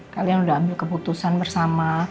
kalian sudah ambil keputusan bersama